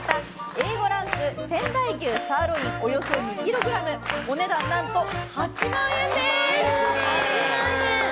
Ａ５ランク仙台牛サーロインおよそ２ｋｇお値段、何と８万円です。